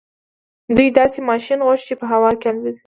دوی داسې ماشين غوښت چې په هوا کې الوځي.